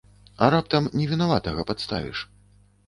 А раптам невінаватага падставіш?